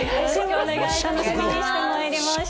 お願いします。